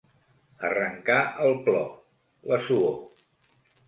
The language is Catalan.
Arrencar el plor, la suor.